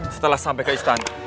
setelah sampai ke istana